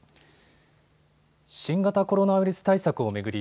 新型コロナウイルス対策を巡り